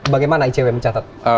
bagaimana icw mencatat